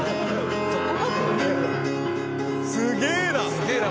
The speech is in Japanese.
すげえな！